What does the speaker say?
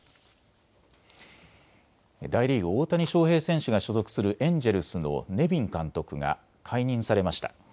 大リーグ、大谷翔平選手が所属するエンジェルスのネビン監督が解任されました。